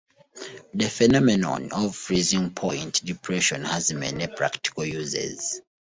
The phenomenon of freezing-point depression has many practical uses.